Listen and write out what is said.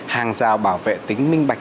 hàng rào bảo vệ tính minh bạch